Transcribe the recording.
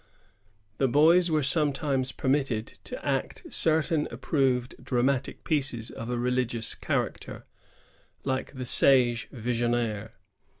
The boys were sometimes permitted to act certain approved dramatic pieces of a religious character, like the Sage Visionnaire.